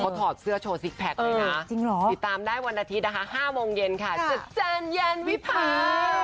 ถอดเสื้อโชว์ซิกแพคเลยนะติดตามได้วันอาทิตย์นะคะ๕โมงเย็นค่ะจัดจานเย็นวิพา